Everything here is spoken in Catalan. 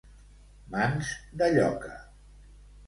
Mans de lloca.